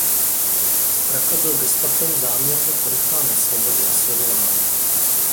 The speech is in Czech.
Straka byl Gestapem záměrně ponechán na svobodě a sledován.